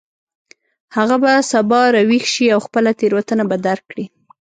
هغه به سبا راویښ شي او خپله تیروتنه به درک کړي